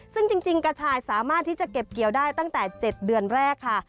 ซึ่งจริงกระชายสามารถที่จะเก็บเกี่ยวได้ตั้งแต่๗เดือนแรกค่ะ